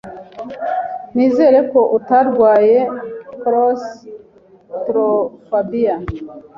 Nizere ko utarwaye claustrophobia.